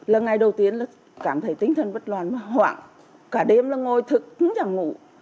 lần đầu tiên là cảm thấy tính thần bất loạn hoảng cả đêm là ngồi thức không chẳng ngủ